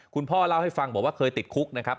คุณพ่อเล่าให้ฟังบอกว่าเคยติดคุกนะครับ